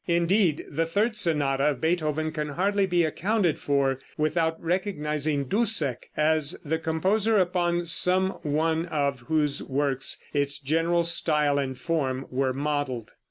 Indeed, the third sonata of Beethoven can hardly be accounted for without recognizing Dussek as the composer upon some one of whose works its general style and form were modeled.